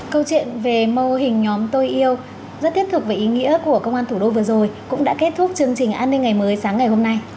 câu chuyện về mô hình nhóm tôi yêu rất thiết thực và ý nghĩa của công an thủ đô vừa rồi cũng đã kết thúc chương trình an ninh ngày mới sáng ngày hôm nay